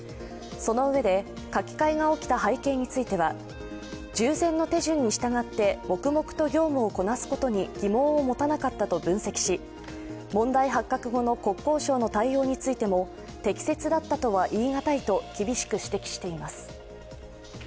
そのうえで書き換えが起きた背景については従前の手順に従って黙々と業務をこなすことに疑問を持たなかったと分析し、問題発覚後の国交省の対応についても適切だったとは言いがたいと厳しく指摘しています。